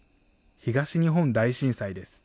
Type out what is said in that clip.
東日本大震災です。